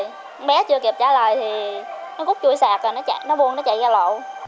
con bé chưa kịp trả lời thì nó cút chui sạc rồi nó buông nó chạy ra lộ